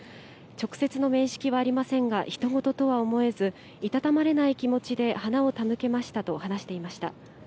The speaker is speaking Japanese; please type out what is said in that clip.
直接の面識はありませんがひと事とは思えず、いたたまれない気持ちで花を手向けましたと話していました。